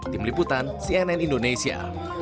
tim liputan cnn indonesia